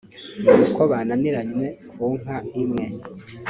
n’uko bananiranywe ku nka imwe